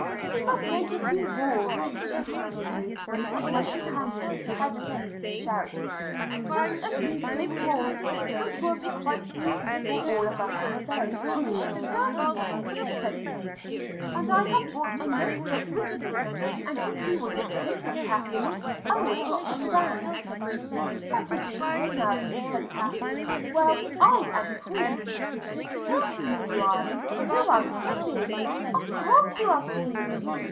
"We must make a few rules," she continued when her young companions had ceased to shout "just a few big rules which will be quite easy for all of us to obey." "Certainly," said Kate. "And I have brought a note book with me, and if you will dictate them, Kathleen, I will jot them down." "That is easy enough," said Kathleen. "Well, I am queen." "Certainly you are!" "Who else could be?" "Of course you are queen!"